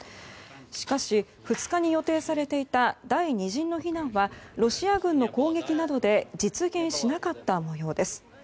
しかし、２日に予定されていた第２陣の避難はロシア軍の攻撃などで実現しなかった模様です。